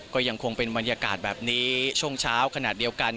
ก็ยังคงเป็นบรรยากาศแบบนี้ช่วงเช้าขนาดเดียวกัน